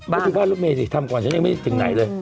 ดูบ้านลบมีสิทำก่อนอย่างนี้ไม่จงใหญ่เลย